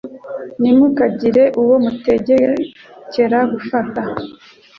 ntimukagire uwo mutegekera gufata